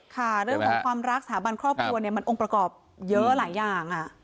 ค่ะเรื่องของความรักสถาบันครอบครัวเนี่ยมันองค์ประกอบเยอะหลายอย่าง